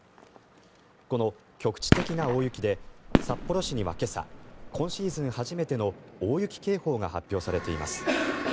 この局地的な大雪で札幌市には今朝今シーズン初めての大雪警報が発表されています。